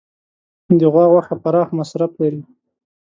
د غوا غوښه پراخ مصرف لري.